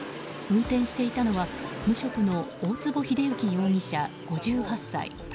運転していたのは無職の大坪英幸容疑者、５８歳。